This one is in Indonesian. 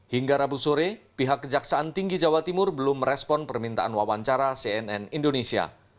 hingga rabu sore pihak kejaksaan tinggi jawa timur belum merespon permintaan wawancara cnn indonesia